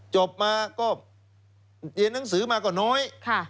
จบมาก็เรียนหนังสือมาก็น้อย